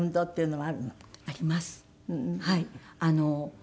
はい。